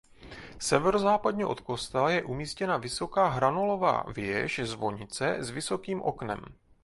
Severozápadně od kostela je umístěna vysoká hranolová věž zvonice s vysokým oknem.